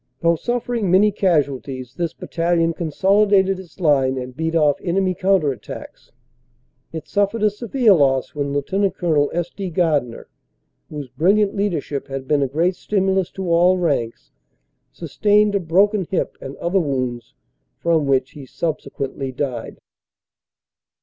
Though suffering many casualties, this battalion consolidated its line and beat off enemy counter at tacks. It suffered a severe loss when Lt. Col. S. D. Gardiner, whose brilliant leadership had been a great stimulus to all ranks, sustained a broken hip and other wounds from which he subsequently died.